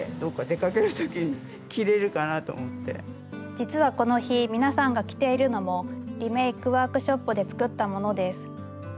実はこの日皆さんが着ているのもリメイクワークショップで作ったものです。